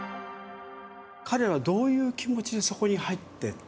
彼らはどういう気持ちでそこに入っていって？